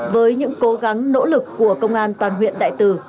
với những cố gắng nỗ lực của công an toàn huyện đại từ